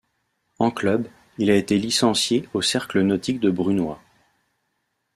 En club, il a été licencié au Cercle Nautique de Brunoy.